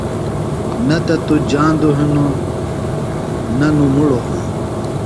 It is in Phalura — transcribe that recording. نہ تو جاندوۡ ہِنوۡ نہ نوۡ مُڑو ہِنوۡ۔